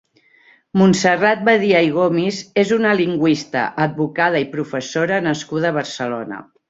Montserrat Badia i Gomis és una lingüista, advocada i professora nascuda a Barcelona.